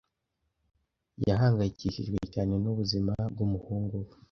Yahangayikishijwe cyane n'ubuzima bw'umuhungu we.